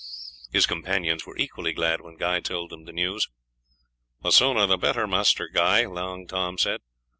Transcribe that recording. His companions were equally glad when Guy told them the news. "The sooner the better, Master Guy," Long Tom said.